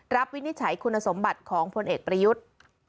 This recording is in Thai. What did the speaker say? วินิจฉัยคุณสมบัติของพลเอกประยุทธ์